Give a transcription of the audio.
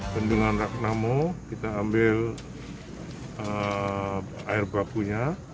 bendungan ragnamo kita ambil air bakunya